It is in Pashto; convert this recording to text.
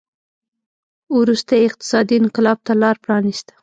وروسته یې اقتصادي انقلاب ته لار پرانېسته.